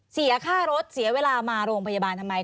เสียค่ารถเสียเวลามาโรงพยาบาลทำไม